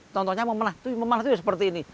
contohnya memanah itu seperti ini